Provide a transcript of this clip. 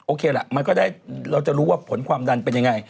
ล่ะมันก็ได้เราจะรู้ว่าผลความดันเป็นยังไง